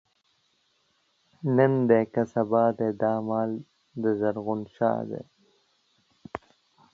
نن دی که سبا دی، دا مال دَ زرغون شاه دی